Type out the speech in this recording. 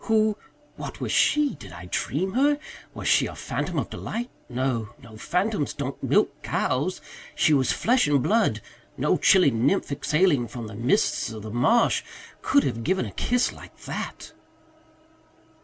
"Who what was she? Did I dream her? Was she a phantom of delight? No, no, phantoms don't milk cows. She was flesh and blood. No chilly nymph exhaling from the mists of the marsh could have given a kiss like that."